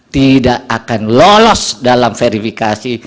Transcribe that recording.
tidak akan lolos dalam verifikasi